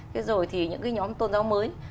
thế rồi thì những cái nhóm tôn giáo mới